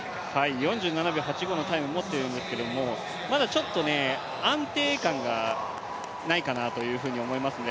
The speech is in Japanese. ４７秒８５のタイムを持っているんですけどただちょっと安定感がないかなと思いますので。